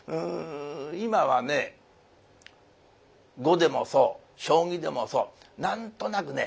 今はね碁でもそう将棋でもそう何となくね